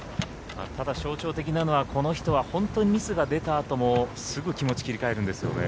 ただ、象徴的なのはこの人は本当にミスが出たあともすぐ気持ち切り替えるんですよね。